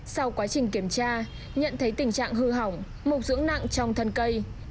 sau quá trình kiểm tra nhận thấy tình trạng hư hỏng mục dưỡng nặng trong thân cây